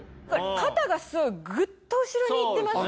肩がすごいグッと後ろにいってますね。